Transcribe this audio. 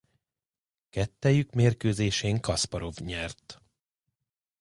Kettejük mérkőzésén Kaszparov nyert.